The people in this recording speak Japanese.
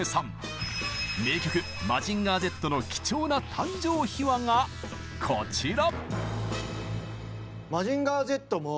名曲「マジンガーＺ」の貴重な誕生秘話がこちら！